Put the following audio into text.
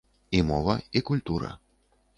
І мова, і культура.